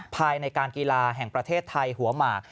ภายในการกีฬาแห่งประเทศไทยหัวหมาก